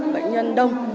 bệnh nhân đông